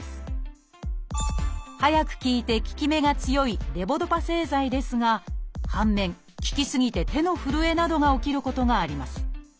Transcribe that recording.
早く効いて効き目が強いレボドパ製剤ですが反面効き過ぎて手のふるえなどが起きることがあります。